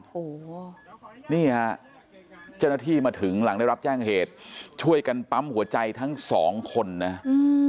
โอ้โหนี่ฮะเจ้าหน้าที่มาถึงหลังได้รับแจ้งเหตุช่วยกันปั๊มหัวใจทั้งสองคนนะอืม